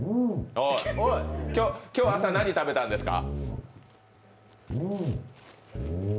今日朝何食べたんですか。